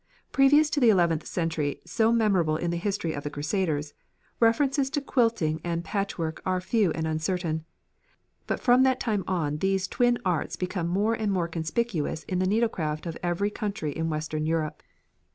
Previous to the eleventh century so memorable in the history of the Crusaders, references to quilting and patchwork are few and uncertain, but from that time on these twin arts became more and more conspicuous in the needlecraft of nearly every country in western Europe.